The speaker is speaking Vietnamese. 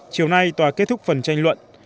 chiều nay tòa kết thúc phần tranh luận